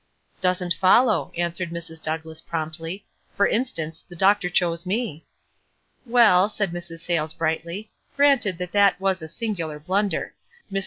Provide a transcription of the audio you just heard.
"Doesn't follow," answered Mrs. Douglass, promptly. "For instance, the doctor chose me." "Well," said Mrs. Sayles, brightly ; "granted that that was a singular blunder. Mr.